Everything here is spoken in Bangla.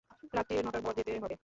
রাত্তির নটার পর যেতে হবে।